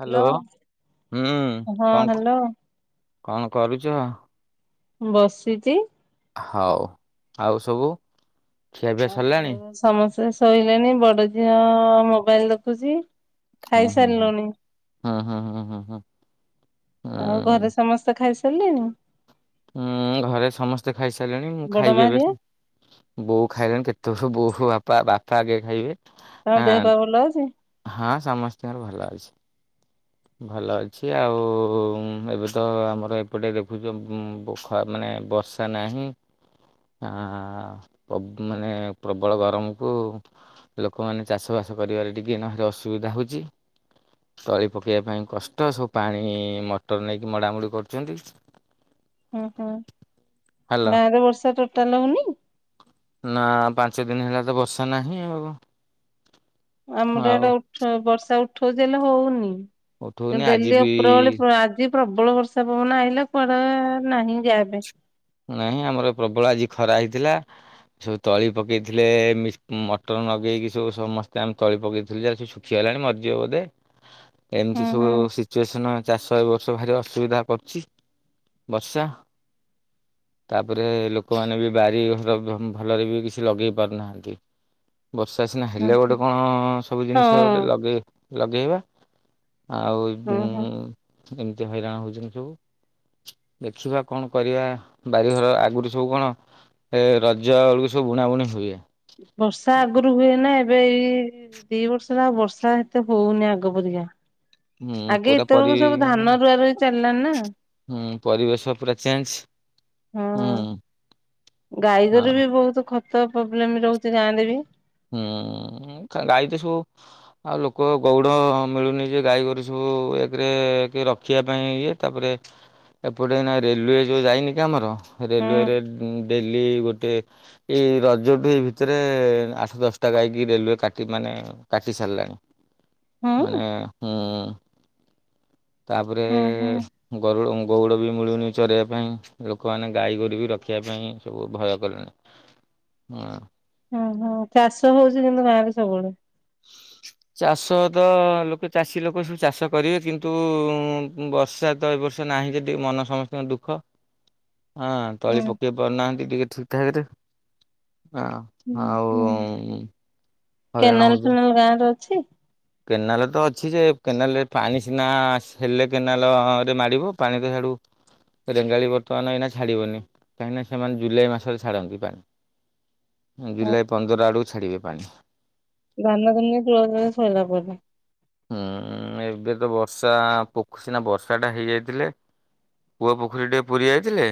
Hello ହୁଁ ହଁ କଣ ହ୍ୟାଲୋ କଣ କରୁଛ? ବସିଛି। ହଉ ଆଉ ସବୁ ଖିଆପିଆ ସରିଲାଣି? ଆଉ ସମସ୍ତେ ଶୋଇଲେଣି ବଡ ଝିଅ ମୋବାଇଲ ଦେଖୁଛି। ହୁଁ ହୁଁ -ହୁଁ- ହଁ - ହଁ - ହଁ - ହଁ। ଆଉ ଘରେ ସମସ୍ତେ ଖାଇସାରିଲେଣି? ଉଁ, ଘରେ ସମସ୍ତେ ଖାଇସାରିଲେଣି ମୁଁ ବଡ ମା ଖାଇବି ଏବେ। ହେରିକା? ବୋଉ ଖାଇଲେଣି କେତବଳଠୁ ବୋଉ ବାପା ବାପା ଆଗେ ଖାଇବେ। ତାଙ୍କ ଦେହ ହଁ ପା ଭଲ ଅଛି? ହଁ ସମସ୍ତିଙ୍କର ଭଲ ଅଛି। ଭଲ ଅଛି ଆଉ ଏବେ ତ ଆମର ଏପଟେ ଦେଖୁଚ ପୋଖ ମାନେ ବର୍ଷ ଷା ନାହିଁ, ମାନେ ପ୍ରବଳ ଗରମକୁ ଲୋକମାନେ ଚାଷ ବାସ କରିବାରେ ଟିକେ ଏଇନା ଭାରି ଅସୁବିଧା ହଉଚି। କରି ପକେଇବା ପାଇଁ କଷ୍ଟ। ସବୁ ପାଣି ମଟର ନେଇକି ମଡାମଡ଼ି କରୁଚନ୍ତି। ହୁଁ ହୁଁ, ହାଲୋ ଗାଁରେ ବର୍ଷା ଟୋଟାଲ ହଉନି? ନା ପାଞ୍ଚ ଦିନି ହେଲା ତ ବର୍ଷା ନାହିଁ ଆଉ। ଆମର ଆଉ ଆଡେ ଉଠ ବର୍ଷା ଉଠଉଚି ହେଲେ ହଉନି। ଉଠଉନି ଆଜି ଡେଲି ବି ଉପର ବଳି। ପୁଣି ଆଜି ପ୍ରବଳ ବର୍ଷା ପବନ ଆଇଲା କୁଆଡେ ନାହିଁ ଯାହା ଏବେ। ନାହିଁ ଆମର ପ୍ରବଳ ଆଜି ଖରା ହେଇଥିଲା। ସବୁ ତଳି ପକେଇଥିଲେ ମିଶ୍, ମଟର ନଗେଇକି ସବୁ ସମସ୍ତେ ଆମେ ତଳି ପକେଇଥିଲୁ ଯାହା ଖୀଗଲାଣି ମରିଯିବ ବୋଧେ। ଏମିତି ହୁଁ ସବୁ ହୁଁ ସିଚୁଏସନ୍ ଚାଷ ଏ ବର୍ଷ ଭାରି ଅସୁବିଧା କରୁଚି ବର୍ଷା। ତାପରେ ଲୋକମାନେ ବି ବାରି ଘର ଭଲରେ ବି କିଛି ଲଗେଇ ପାରୁନାହାନ୍ତି। ବର୍ଷା ସିନା ହୁଁ ହେଲେ ହୁଁ ଗୋଟେ କଣ ସବୁ ହଁ ଜିନିଷ ଗୋଟେ ଲଗେ ଲଗେଇବା। ଆଉ ହଁ ହଁ। ଏମିତି ହଇରାଣ ହଉଚନ୍ତି ସବୁ। ଦେଖିବା କଣ କ ପରିବା, ବାରିଘର ଆଗୁରୁ ସବୁ କଣ ଏ ରଜ ବଳୁକୁ ସବୁ ବୁଣାବୁଣି ହୁଏ। ବର୍ଷା ଆଗୁରୁ ହୁଏନା ଏବେ ଏଇ ଦି ବର୍ଷ ହେଲା ବର୍ଷା ଏତେ ହଉନି ଆଗ ପରିକା। ହୁଁ ଆଗେ ପୁରା ପରି ଏତବଳୁକୁ ସବୁ ଧାନ ରୁଆ ରୁଇ ଚାଲିଲାଣି ନା। ହୁଁ ପରିବେଶ ପୁରା ଚେଞ୍ଜ। ହଁ ହୁଁ ହଁ ଗାଈଗୋରୁ ବି ବହୁତୁ ଖତ ପ୍ରୋବ୍ଲେମ ରହୁଚି ଗାଁରେ ବି। ହୁଁ ଗାଈ ତ ସବୁ ଆଉ ଲୋକ ଗଉଡ଼ ମିଳୁନି ଯେ ଗାଈ ଗୋରୁ ସବୁ ଏକେରେ କି ରଖିବା ପାଇଁ ଇଏ। ତାପରେ ଏପଟେ ଏଇନା ରେଲୱେ ଯୋଉ ଯାଇନି କି ଆମର ହୁଁ ରେଲୱେରେ ଡେଲି ଗୋଟେ ଏଇ ରଜଟୁ ଏଇ ଭିତେରେ ଆ ଆଠ ଦଶଟା ଗାଈକି ରେଲୱେ କାଟି ମାନେ କାଟି ସାରିଲାଣି। ମାନେ ହୁଁ। ହୁଁ, ତାପରେ ହୁଁ ହୁଁ ଗରୁଡ଼ ଗଉଡ଼ ବି ମିଳୁନି ଚରେଇଆ ପାଇଁ। ଲୋକମାନେ ଗାଈ ଗୋରୁ ବି ରଖିଆ ପାଇଁ ସବୁ ଭୟ କଲେଣି। [unintelligible] ଓହୋ, ଚାଷ ହଉଚି କିନ୍ତୁ ଗାଁରେ ସବୁବଳେ। ଚାଷ ତ ଲୋକେ ଚାଷୀ ଲୋକ ସବୁ ଚାଷ କରିବେ କିନ୍ତୁ ବର୍ଷା ତ ଏ ବର୍ଷ ନାହିଁ ଯେଦି ମନ ସମସ୍ତଙ୍କ ଦୁଃଖ। ହଁ ହୁଁ ତଳି ପକେଇ ପାରୁନାହାନ୍ତି ଟିକେ ଠିକ୍ ଠାକ୍ ରେ। ହଁ, ହୁଁ ହୁଁ। ଆଉ ହଇରାଣ କେନାଲ ହଉଛ ଫେନାଲ ଗାଁରେ ଅଛି? କେନାଲ ତ ଅଛି ଯେ କେନାଲରେ ପାଣି ସିନା ହେଲେ କେନାଲ ରେ ମାଡିବ ପାଣି ତ ଛାଡୁ ରେଙ୍ଗାଳି ବର୍ତ୍ତମାନ ଏଇନା ଛାଡ଼ିବନି, କାହିଁକିନା ସେମାନେ ଜୁଲାଇ ମାସରେ ଛାଡ଼ନ୍ତି ପାଣି। ଜୁଲାଇ ପନ୍ଦର ଆଡୁକୁ ଛାଡିବେ ପାଣି। ଧାନ ଧୁନି ତୁଳ ତଳେ ସଇଲା ପରେ। ହୁଁ ଏବେ ତ ବର୍ଷା ପୋକର ସିନା ବର୍ଷା ଟା ହେଇଯାଇଥିଲେ ପୁଅ ପୋଖରୀ ଟିକେ ପୁରୀ ଯାଇଥିଲେ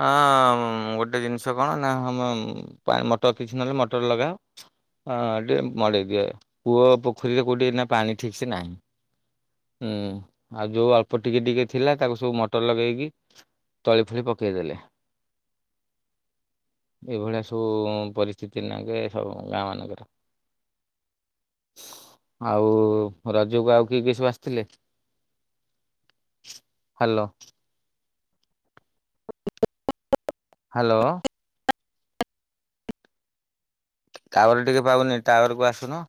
ହଁ ଗୋଟେ ଜିନିଷ କଣ ନା [unintelligible] ପା ମଟର କିଛି ନହେଲେ ମଟର ଲଗାଅ ଟିକେ ମଡେଇ ଦିଏ। କୂଅ ପୋଖରୀରେ କଉଠି ଏଇନା ପାଣି ଠିକ ସେ ନାହିଁ। ହୁଁ ଆଉ ଯୋଉ ଅଳ୍ପ ଟିକେ ଟିକେ ଥିଲା ତାକୁ ସବୁ ମଟର ଲଗେଇକି ତଳି ଫଳି ପକେଇଦେଲେ। ଏଇଭଳିଆ ସବୁ ପରିସ୍ଥିତି ନା କେ ସବୁ ଗାଁ ମାନଙ୍କରେ। ଆଉ ରଜକୁ ଆଉ କିଏ କିଏ ସବୁ ଆସିଥିଲେ? ହ୍ୟାଲୋ ହ୍ୟାଲୋ ଟାୱାର ଟିକେ ପାଉନି ଟାୱାରକୁ ଆସୁନ।